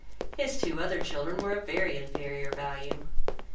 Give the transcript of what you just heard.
His two other children were of very inferior value.